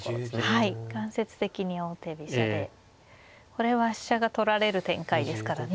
これは飛車が取られる展開ですからね。